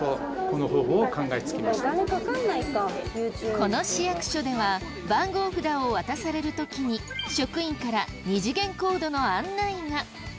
この市役所では番号札を渡される時に職員から２次元コードの案内が。